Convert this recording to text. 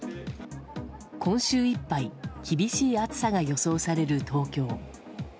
今週いっぱい厳しい暑さが予想される東京。